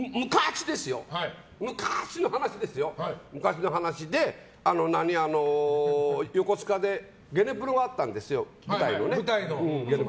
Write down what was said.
昔ですよ、昔の話ですけど横須賀でゲネプロがあったんです舞台のね。